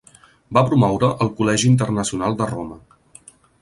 Va promoure el Col·legi Internacional de Roma.